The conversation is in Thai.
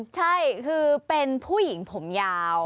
ใช่คือเป็นผู้หญิงผมยาว